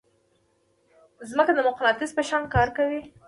ځمکه د مقناطیس په شان کار کوي.